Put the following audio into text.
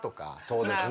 そうですね。